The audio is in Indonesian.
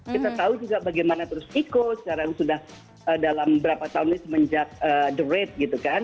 kita tahu juga bagaimana terus ico sekarang sudah dalam berapa tahun ini semenjak the rate gitu kan